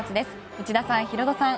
内田さん、ヒロドさん